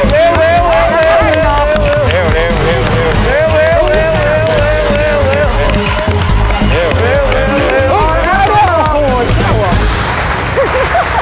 เร็ว